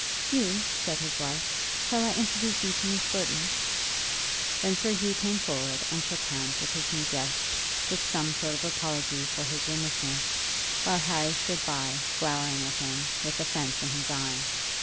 "Hugh," said his wife, "shall I introduce you to Miss Burton?" Then Sir Hugh came forward and shook hands with his new guest, with some sort of apology for his remissness, while Harry stood by, glowering at him, with offence in his eye.